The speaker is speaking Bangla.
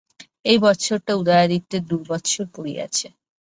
এই বৎসরটা উদয়াদিত্যের দুর্বৎসর পড়িয়াছে।